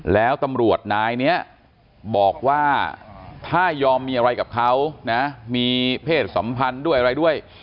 แล้วตำรวจนายนี้บอกว่าถ้ายอมมีอะไรกับเขานะมีเพศสัมพันธ์ด้วยอะไรด้วย